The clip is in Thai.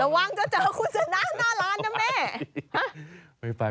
วางจะเจอคุณชนะหน้าร้านนะแม่